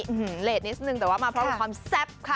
เหมือนเลสนิดสักหนึ่งแต่ว่ามาเพราะความแซ่บค่ะ